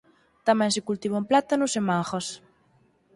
Tamén se cultivan plátanos e mangas.